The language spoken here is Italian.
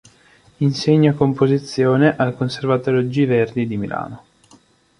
Insegna Composizione al Conservatorio "G. Verdi" di Milano.